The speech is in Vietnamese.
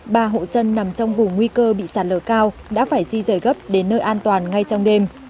ba hộ dân nằm trong vùng nguy cơ bị sạt lở cao đã phải di rời gấp đến nơi an toàn ngay trong đêm